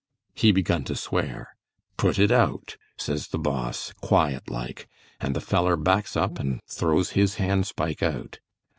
He begun to swear. 'Put it out,' says the Boss, quiet like, and the feller backs up and throws his hand spike out.